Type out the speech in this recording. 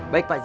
baik pak haji